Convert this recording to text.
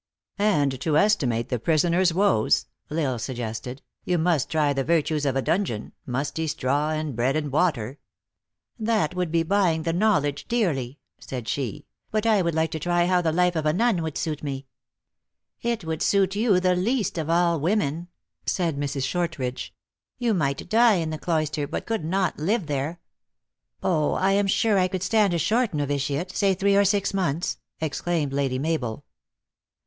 " And to estimate the prisoner s woes," L Isle sug gested, " you must try the virtues of a dungeon musty straw, and bread and water." "That would be buying the knowledge dearly," said she ; "but I would like to try how the life of a nun would suit me." THE ACTRESS IN HIGH LIFE. 235 " It would suit you the least of all women," said Mrs. Shortridge. " You might die in the cloister, but could not live there." " Oh, I am sure I could stand a short novitiate, say three or six months," exclaimed Lady Mabel.